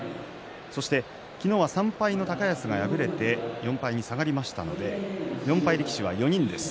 そして昨日は３敗の高安が敗れて４敗に下がりましたので４敗力士は４人です。